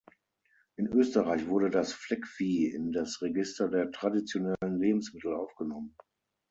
In Österreich wurde das Fleckvieh in das Register der Traditionellen Lebensmittel aufgenommen.